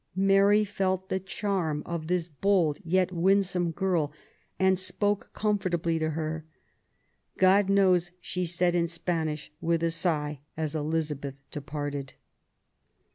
Mary felt the chami of this bold, yet winsome, girl, and spoke comfortablj to her. God knows," she said in Spanish, with sigh, as Elizabeth departed.